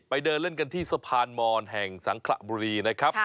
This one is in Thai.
เดินเล่นกันที่สะพานมอนแห่งสังขระบุรีนะครับ